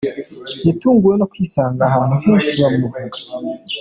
Yatunguwe no kwisanga ahantu henshi bamuvuga.